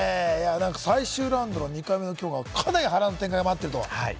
最終ラウンドの２回目のきょうは、かなり波乱の展開が待っていると。